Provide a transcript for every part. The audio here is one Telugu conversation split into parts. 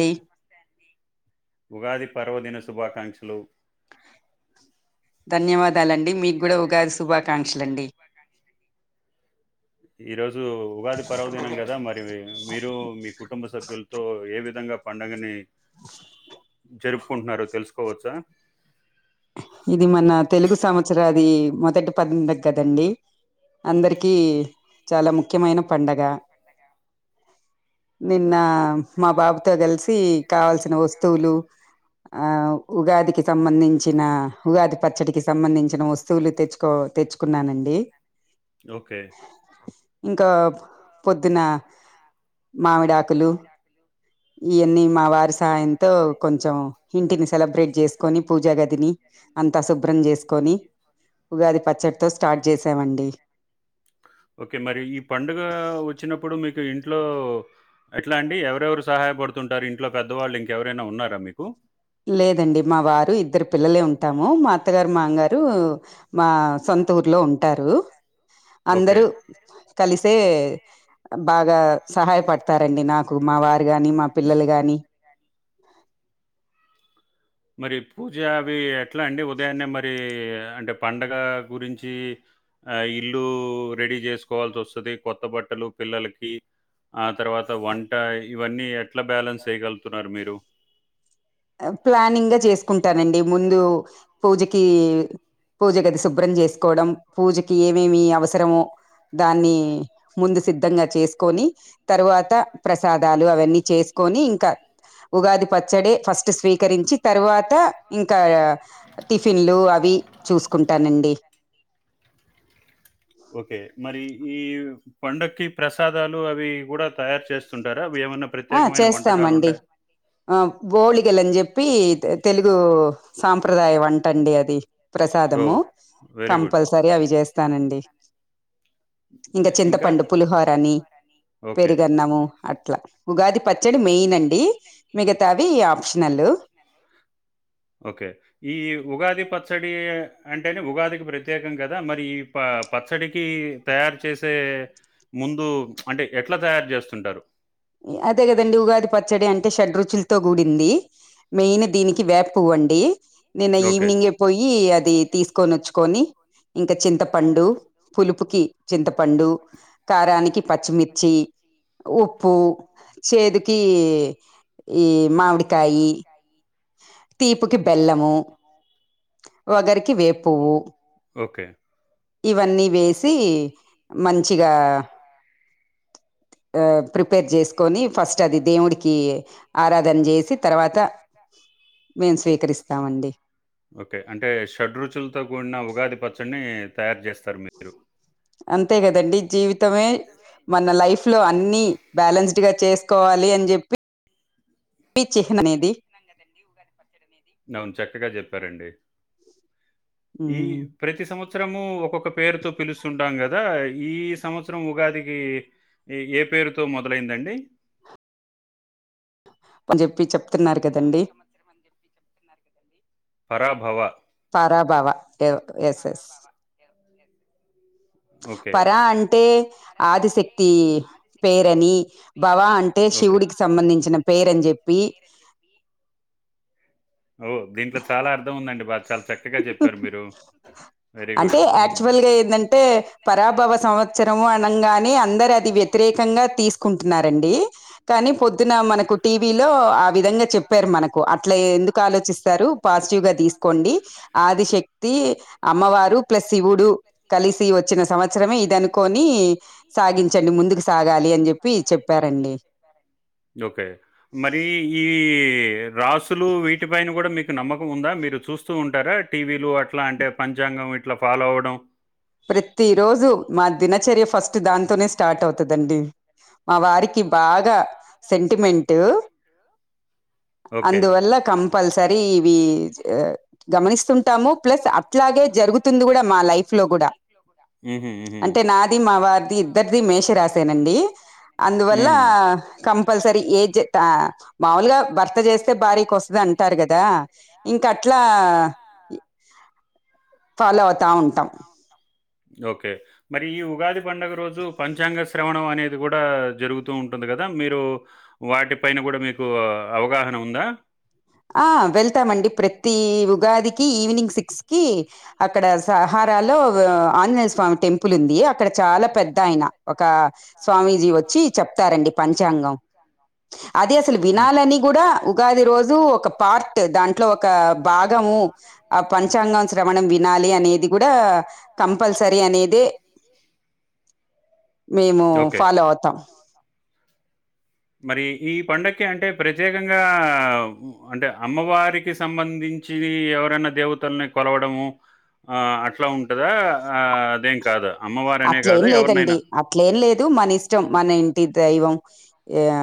డి ఉగాది పర్వదిన శుభాకాంక్షలు [unintelligible] గూడా ఉగాది శుభాకాంక్షలు అండి ఈరోజు ఉగాది పర్వదినం కదా మరి మీరు మీ కుటుంబ సభ్యులతో ఏ విధంగా పండగని జరుపుకుంటున్నారొ తెలుసుకోవచ్చా ఇది మన తెలుగు సంవత్సరది మొ దటి పంద్ కదండి అందరికి చాలా ముఖ్యమైన పండగ నిన్న మా బాబు తో కలిసి కావల్సిన వస్తువులు అ ఉగదికి సంబందించ్ తిన ఉగాది పచ్చడికి సంబంధించిన వస్తువులు తెచ్చుకో తెచ్చుకున్నానండి ఓకే ఇంకా పొద్దున మామిడాకులు ఇయ్యన్నీ మా వారి సాయంతో కొంచెం ఇంటిని సెలబ్రేట్ చేస్ కొని పూజగాద్ ఉగాది పచ్చడితో స్టార్ట్ చేసామండి ఓకే మరి ఈ పండుగ వచ్చినప్ ప్పుడు మీకు ఇంట్లో ఎట్లా అండి ఎవరెవరు సహాయపడుతు తుంటారు ఇంట్లో పెద్దవాళ్ళు ఇంకెవరైనా ఉన్నారా మీకు లేదండి మా వారు ఇద్దరు పిల్లలే ఉం టాము మా అత్తగారు మామా గారు మా సొంత ఊర్ లో ఉంటారు ఓకే అందరూ కలిసే బాగా సహాయపడతారండి నాకు మా వార్ గాని మా పిల్లలు గాని మరి పూజ అవి ఎట్లా అండి ఉదయాన్నే మరి అంటే పండగ గురించి ఇల్లు రెడీ చేసుకోవాల్సి వస్తది కొత్త బట్టలు పిల్లలకి ఆ తర్వాత వంట ఇవన్నీ ఎట్లా బ్యాలెన్స్ చేయగలుగుతున్నారు మీరు ప్లానింగ్గా చేసుకుంటానండి ముందు పూజకి పూజ గది శుభ్రం చేసుకోవడం పూజకి ఏమేమి అవసరమో దాన్ని ముందు సిద్ధంగా చేసుకొని తరువాత ప్రసాదాలు అవన్నీ చేసుకొని ఇంకా ఉగాది పచ్చదే ఫస్ స్వీకరించి తరువాత ఇంకా టిఫిన్లు అవి చూసుకుంటానండి ఓకే. మరి ఈ పండక్కి ప్రసాదాలు అవి కూడా తయారు చేస్తుంటారా ఏమన్నా ఆ ప్రత్యేకమైన వంటకాలు చేస్తామండి ఉంటయ ఆ బోళగలుని చెప్పి తెలుగు సాంప్రదాయం అంటండి అది ప్రసాదము ఓహ్! Very good. కంపల్సరీ అవి చేస్ తానండి ఇంకా చింతపండు పులిహోరని ఓకే. పెరుగన్నము అట్లా ఉగాది పచ్చడి మెయిన్ అండి మిగాతావి ఆప్షనల్ ఓకే ఈ ఉగాది పచ్చడి అంటేనే ఉగాదికి ప్రత్యేకం కదా మరి ఈ ప పచ్చడికి తయారు చేసే ముందు అంటే ఎట్లా తయారు చెస్తుంటారు అధేగదండి ఉగాది పచ్చడి అం టే షడ్రుచులతో కూడింది మెయిన్ దీనికి వేప పువ్వండి నిన్న ఓకే. ఈవినింగేఏ పోయ్యి అది తీసుకొని వచ్చుకొని ఇంక చింతపండు పులుపుకి చింతపండు కారానికి పచ్చిమిర్చి ఉప్ ప్పు చేదుకి ఈఈ మామిడికాయి తీపుకి బెల్లము. వగరికి వేప పువ్వు ఓకే ఇవన్నీ వేసి. పి మంచిగా. ఆ ప్రిపేర్ చేసుకొని ఫస్ట్ అది దేవుడికి ఆరాధన చేసి తర్వాత మేము స్వీకరిస్తామండి ఓకే అంటే షడ్రుచులతో కూడిన ఉగాది పచ్చడిని తయారు చేస్తారు మీరు అంతే కదండి జీవితం. మన లైఫ్ లో అన్ని బ్యాలన్స్డ్ గా చేస్ కోవాలి అని చెప్పి చిహ్నం ఇది. అవును చక్కగా చెప్పారండి. ఈ ఉమ్, ప్రతి సంవత్ సంవత్సరం ఒకా ఒక పేరుతో పిలుస్తుంటం గద. కదా ఈ సంవత్సరం ఉగాదికి ఏ పేరుతో మొదలైందండి. కొని చెప్పి చెప్తున్నారు కదండి. పరాభవ పరాభావా ఎధో ఎస్ ఎస్ ఓకే. పరా అంటే ఆదిశక్తి పేరు అని భవా అంటే ఓకే. శివుడికి సంబంధించిన పేరుని చెప్పి. పి ఓ దీంట్లో చాలా అర్థం ఉందండి బా చాలా చక్కగా చెప్పారు. మీరు వెరీ గుడ్ అంటే యాక్చువల్గా ప్రమాణం ని అందరు అది వ్యతిరేకంగా తీసుకుంటున్నారండి. కానీ పొద్దున మనకు టీవీలో ఆ విధంగా చెప్ చేపరూ మనకు అట్లా ఎందుకు ఆలోచిస్త. పాజిటివ్ గా తీసుకోండి ఆదిశక్తి అమ్మవారు ప్లస్ శివుడు కలిసి వచ్చిన సంవత్సరమే ఇది అనుకని సాగించండి ముందుకు సాగాలి అని చెప్పి చెప్పారండి. ఏ రాసులు వీటిపైన కూడా మీకు నమ్మకం ఉందా మీరు చూస్తూ ఉంటారా టీవీలు అట్లా అంటే పంచాంగం ఇట్లా ఫాలో అవ్వడం. ప్రతి రోజు మా దినచర్య ఫస్ట్ దాంతోనే స్టార్ట్ అవుతుందండి. మా వారికి బాగా సెంటిమెంట్. ఓకే. అందువల్ల కం కంపల్సరీ ఇవి గమనిస్తుంటాము ప్లస్ అట్లాగే జరుగుతుంది కూడా మా లైఫ్ లో కూడా హుహు. హుహు. అంటే నాది మావారీ అది ఇద్దరిది మేష రాశేనదే ది అందువల్ల హుహు. కంప కపల్సరీ ఏ మాములుగా భర్త చేస్తే భారీకి వస్తుంది అంటారు కదా ఇంక అట్లా ఫాలో అవుతా ఉంటాం ఓకే మరి ఈ ఉగాది పండుగ రోజు పంచాంగ శ్రవణం అనేది కూడా జరుగుతూ ఉంటుంది కదా మీరు వాటి పైన కూడా మీకు అవగాహన ఉందా ఆ వెళ్తామండి ప్రతి ఉగాదికి ఈవినింగ్ సిక్స్ కి అక్కడ సహారాలో ఆంజనేయ స్వామి టెంపుల్ ఉంది అక్కడ చాలా పెద్ద ఆయిన ఒక స్వామీజీ వచ్చి చెప్తారండి పంచాంగం అది అసలు హ్మ్. వినాలని కూడా ఉగాది రోజు పార్ట్ దాంట్లో ఒక భాగము ఆ పంచాంగం శ్రవణం వినాలి అనేది కూడా కంపల్సరీ అనేద మేము ఓకే. ఫాలో అవుతాం మరి ఈ పండకి అంటే ప్రత్యేకంగా అంటే అమ్మవారికి సంబంధించి ఎవరైనా దేవతల్ని కొలవడము ఆ అట్లా ఉంటందా ఆ అదేం కాదా అమ్మవారనే అట్ల ఏం కాదా లేదండి ఎవరినైనా? అట్లే ఏం లేదు మనిస్టం ఇష్టం మన ఇంటి దైవం ఆ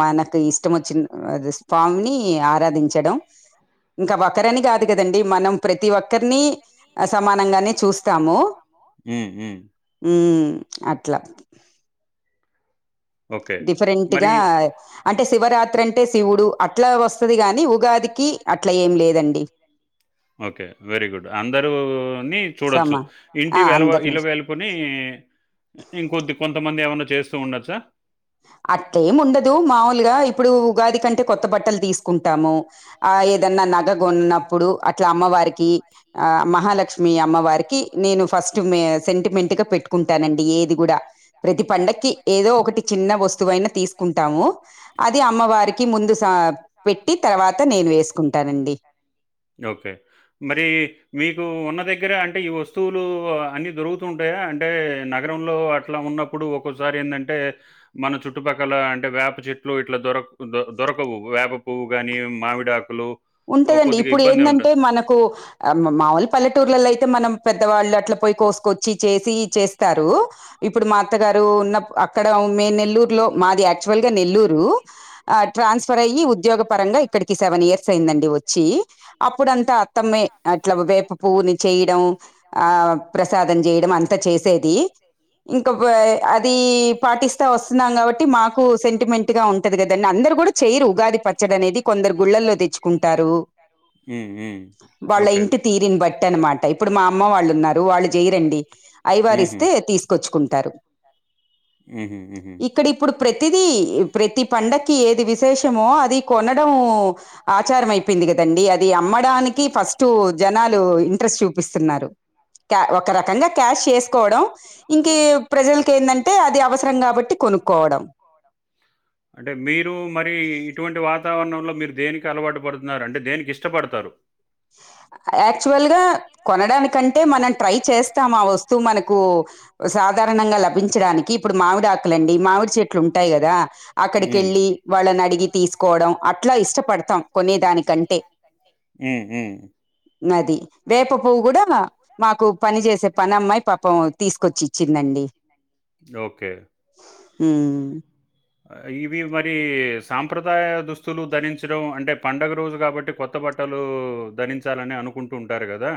మనకు ఇష్టం వచ్చిన స్వామిని ఆరాధించడం ఇంకా ఒకరని కాదు కదండి మనం ప్రతి ఒక్కరిని సమానంగానే చూస్తాము అ ఉ అట్లా ఓకే. మరి డిఫరెంట్గా అంటే శివరాత్రి అంటే శివుడు అట్లా వస్తుది గాని ఉగాదికి అట్లా ఏం లేదండి ఓకే వెరీ గుడ్ అందరు ని చూడొచ్చు సమా ఇంటి ఆ వెలవ అందరిని ఇల వెళ్లుకొని ఇంకొద్ది కొంతమంది ఏమైన్నా చేస్తూ ఉండచ్చచ్చా అట్టేము ఉండదు మావ ల్ గా ఇప్పుడు ఉగాది కంటే కొత్త బట్టలు తీసుకుంటాము ఆ ఏదన్నా నగగ కొన్నప్పుడు అట్లా అమ్మవారికి ఆ మహాలక్ష్మి అమ్మవారికి నేను ఫస్ట్ సెంటిమెంట్గా పెట్టుకుంటానండి ఏది కూడా ప్రతి పండక్కి ఏదో ఒకటి చిన్న వస్తువైనా తీసుకుంటాము అది అమ్మవారికి ముందు సా పెట్టి తర్వాత నేను వేసుకుంటానండి మరి మీకు గ్గర అంటే ఈ వస్తువులు అన్ని దొరుకుతూంటాయా అంటే నగరంలో అట్లా ఉన్న ప్ అప్పుడు ఒసారి ఎందంటే మన చుట్టుపక్కల అంటే వేప చెట్లు ఇట్లా దొరక్ దొరకవు వేప పువ్వు గానీ మామిడాకులు ఆహ్, ఉంటదండి కొద్దిగా ఇప్పుడు ఇబ్బంది ఉండ ఏంటంటే మనకు ఆ మాముూలు పల్లెటూర్లలో అయితే తే మనం పెద్దవాళ్ళు అట్ల పోయి కోసుకొచ్చి చేసి చేస్తారు ఇప్పుడు మా అత్తగారు ఉన్నప్ అక్కడ మే నెల్లూరులో మాది ఆక్చువల్ గా నెల్లూరు ఆ ట్రాన్స్ఫర్ అయ్యి ఉద్యోగపరంగా ఇక్కడికి సెవెన్ ఇయర్ ర్స్ అయిందండి వచ్చి అప్పుడంతా అత్తమ్మే అట్లా వేప పువ్వునీ చేయడం ఆ ప్రసాదం చేయడం అంత చేసేది ఇంకా పే అది పాటిస్తా వస్తున్నాం కాబట్టి మాకు సెంటిమెంట్ గా ఉంటది కదండి అందరు కూడా చెయ్యరు ఉగాది పచ్చడ అనేది కొందరు గుళ్ళల్లో తెచ్చు కుంటారు హ్మ్. హ్మ్. వాళ్ళ ఓకే. ఇంటి తీరిని బట్టి అన్నమాట ఇప్పుడు మా అమ్మ వాళ్ళున్నారు వాళ్ళు చేయరండి అయ్యవారు హుహు. ఇస్తే తీసుకొచ్చుకుంటారు హుహు. హుహు. ఇక్కడ ఇప్పుడు ప్రతిదీ ప్రతి పండక్కి ఏది విశేషమో అది కొనడం ఆచారం అయిపోయింది కదండి అది అమ్మడానికి ఫస్ట్ జనాలు ఇంట్రెస్ట్ చూపిస్తున్నారు క్యా ఒక రకంగా క్యాష్ చేసుకోవడం ఇంక ప్రజలకి ఏంటంటే అది అవసరం కాబట్టి కొనుక్కోవడం అంటే మీరు మరి ఇటువంటి వాట్ తావరణంలో మీరు దేనిక్ కి అలవాటు పడుతున్నారు అంటే దేనికి ఇష్టపడతారు యాక్చువల్ గా కొనడానికంటే మనం ట్రై చేస్తాం ఆ వస్తువు మనకు సాధారణంగా లభించడానికి ఇప్పుడు మామిడి ఆకులండి మామిడి చెట్లు ఉంటాయి కదా హ్మ్. అక్కడికెళ్ళి వాళ్ళని అడిగి తీస్ కోడం అట్. ఉమ్ ఉమ్. ఉమ్. అది వేప పువ్వు కూడా మా మాకు పని చేసేద్ పనామ్మాయి పాపం తీసుకొచ్చి ఇచ్చిందండి. ఓకే. హుమ్మ్. ఇవి మరి సాంప్రదాయ దుస్తులు ధరించడం అంటే పండుగ రోజు కాబట్టి కొత్త బట్టలు ధరించాలని అనుకుంటూ ఉంటారు కదా.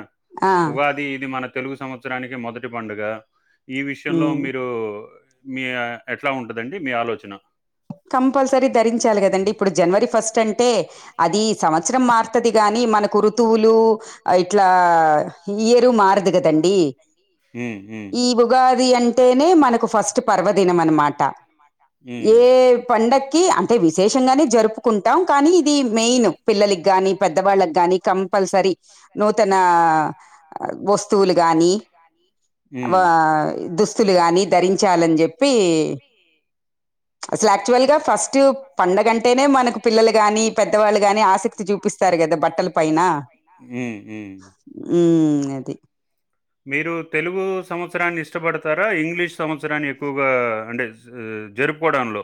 ఆ, ఉగాది ఇది మనక్. తెలుగు సంవత్సరానికి మొదటి పండుగ. ఈ విషయంలో ఉమ్. మీరు. మీ ఎట్లా ఉంటదండి మీ ఆలోచన. కంపల్సరీ ధరించాలి కదండి ఇప్పుడు జనవరి ఫస్ట్. తంటే అది సంవత్సరం మారుతది గాని మనకు ఋతువులు ఇట్లా ఈయరు మారదు కదండి. హుమ్మ్ హుమ్మ్. ది అంటేనే మనకు ఫస్ట్ పర్వదినం అన్నమాట. హ్మ్. ఏ పండక్. కి అంటే విశేషంగానీ. జరుపుకుంటాం కానీ ఇది మెయిన్ పిల్లలకి గానీ పెద్దవాళ్ళకి గానీ కంపల్సరీ నూతన వస్తువులు కానీ హ్మ్. ఆహ్ దుస్తులు కానీ ధరించాలని చెప్పి. అసల్ ఆక్చువల్ గా ఫస్ట్ పండగంటే. పిల్లలు గాని పెద్దవాళ్ళు గాని ఆసక్తి చూపిస్తారు కదా బట్టల పైన హ్మ్. హ్మ్. ఉమ్మ్ అది. మీరు తెలుగు సంవత్సరాన్ని ఇష్టపడతారా ఇంగ్లీష్ సంవత్సరాన్ని ఎక్కువగా అంటే జరుపుకోవడంలో.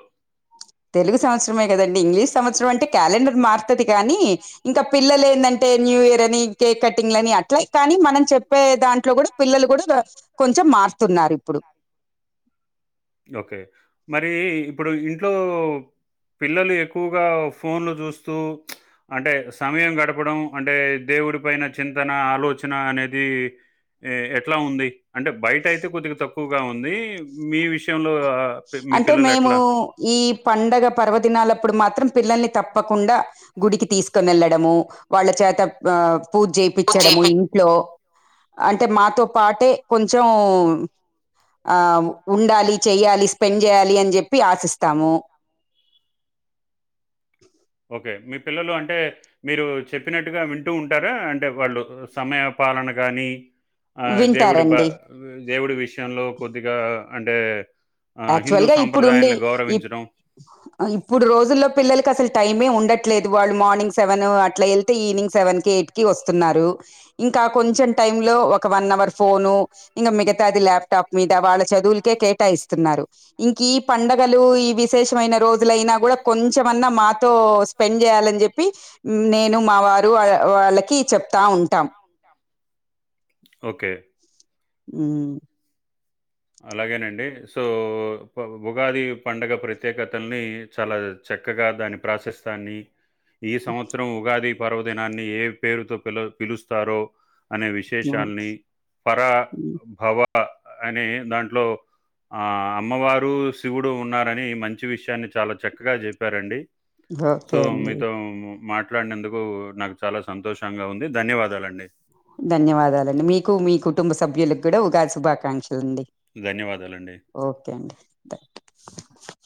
తెలుగు సంవత్సరమే కదండి ఇంగ్లీష్. సంవత్సరం అంటే క్యాలెండర్ మార్. పుతిక్ కానీ ఇంకా పిల్లలు ఏంటంటే న్యూ ఇయర్ అని కేక్ కటింగ్లని అట్లా కానీ మనం చెప్పే దాంట్లో కూడా పిల్లలు కూడా కొంచెం మారుతున్నారు. ఇప్పుడు ఓకే మరి ఇప్పుడు ఇంట్లో పిల్లలు ఎక్కువగా ఫోన్లు చూస్తూ ప్చ్ అంటే సమయం గడపడం అంటే దేవుడి పైన చింతన ఆలోచన అనేది ఎట్లా ఉంది. అంటే బయట అయితే కొద్దిగ తక్కు ఎక్కువగా ఉంది మీ విష్. విషయంలో. పి మీ అంటే పిల్లలు మేము ఎట్లా? ఈ పండగ పర్వదినాలప్పుడు మాత్రం. పిల్లల్ని తప్పకుండా గుడికి తీసుకోని వెళ్లడము వాళ్ళ చేత ఆహ్. పూజ చేపించడము ఇంట్లో. అంటే మాతో పాటే కొంచెం ఆహ్ ఉండాలి చెయాలి. పెన్ చేయాలి అని చెప్పి ఆశిస్తాము. ఓకే మీ పిల్లలు అంటే మీరు చెప్పినట్టుగా వింటూ ఉంటారా. వాళ్ళు సమయ పాలనకు. గానీ ఆ దేవుడి బ వింటారండి దేవుడి విషయంలో కొద్దిగాఆ అంటే ఆహ్, యాక్చువల్ హిందూ గా ఇప్పుడుండి సాంప్రదాయాల్ని ఇప్ గౌరవించడం. ఇప్పుడు రోజుల్లో పిల్లలకి అసలు టైమే ఉండట్లేదు వాళ్ళు మార్నింగ్ సెవెను అట్లా ఎల్తే ఈవినింగ్ సెవెన్కి ఎయిట్కి వస్తున్నారు ఇంకా కొంచెం టైమ్ లో ఒక వన్ అవర్ ఫోను ఇంక మిగతాది లాప్టాప్ మీద వాళ్ చదువుల్కే కేటాయిస్ న్నారు ఇంకీఈ పండుగలు ఈ విశేషమైన రోజులయినా కూడా కొంచెమన్నా మాతో స్పెండ్ చేయాలని చెప్పి నేను మా వారు వాళ్ళ వాళ్ళకి చెప్తా ఉంటాం ఓకే ఊ అలాగేనండి సో ఉగాది పండుగ ప్రత్యేకతల్ని చాలా చక్కగా దాని ప్రాశస్తాన్ని ఈ సంవత్సరం ఉగాది పర్వదినాన్ని ఏ పేరుతో పిల పిలుస్తారో అనే ఓకే విశేషాల్ని పరా మ్. భవ అ అనే దాంట్లో ఆ అమ్మవారు శివుడు ఉన్నారని మంచి విషయాన్ని చాలా చక్కగా చెప్పారండి సో ఓకే అండి మీతో మా మాట్లాడినందుకు నాకు చాలా సంతోషంగా ఉంది ధన్యవాదాలండి ధన్యవాదాలండి మీకు మీకు కుటుంబ సభ్యులకు కూడా ఉగాది శుభాకాంక్ష లండి ధన్యవాదాలండి. ఓకే అండి థ్యాక్ [inaudible]